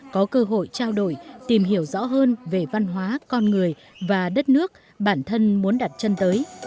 có cơ hội trao đổi tìm hiểu rõ hơn về văn hóa con người và đất nước bản thân muốn đặt chân tới